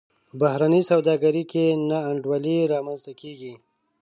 په بهرنۍ سوداګرۍ کې نا انډولي رامنځته کیږي.